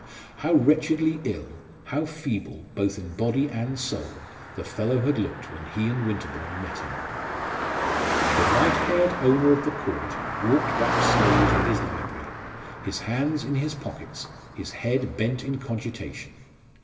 How wretchedly ill, how feeble, both in body and soul, the fellow had looked when he and Winterbourne met him! The white haired owner of the Court walked back slowly to his library, his hands in his pockets, his head bent in cogitation.